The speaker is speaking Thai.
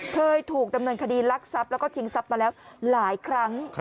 เคยถูกดำเนินคดีลักทรัพย์แล้วก็ชิงทรัพย์มาแล้วหลายครั้ง